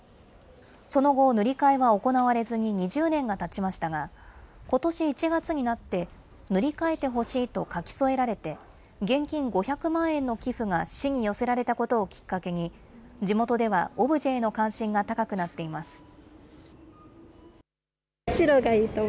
その後、塗り替えは行われずに２０年がたちましたが、ことし１月になって、塗り替えてほしいと書き添えられて、現金５００万円の寄付が市に寄せられたことをきっかけに、地元では、オブジェへの関心が高くなっています。